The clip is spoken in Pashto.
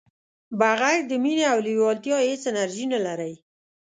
بغیر د مینې او لیوالتیا هیڅ انرژي نه لرئ.